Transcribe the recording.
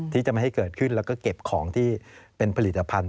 ที่จะไม่ให้เกิดขึ้นแล้วก็เก็บของที่เป็นผลิตภัณฑ์